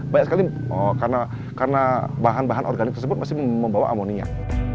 banyak sekali karena bahan bahan organik tersebut masih membawa amoniak